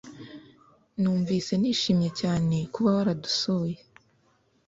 numvise narishimye cyane kuba waradusuye